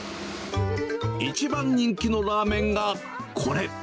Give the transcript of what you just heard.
一番人気のラーメンがこれ。